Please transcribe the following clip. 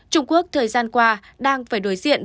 trung quốc thời gian qua đang phải đối diện